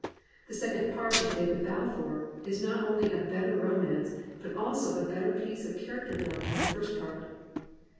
The second part of David Balfour is not only a better romance, but also a better piece of character drawing, than the first part.